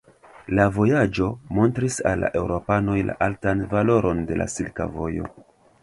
La vojaĝo montris al la eŭropanoj la altan valoron de la Silka Vojo.